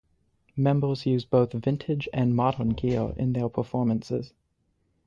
Members use both vintage and modern gear in their performances.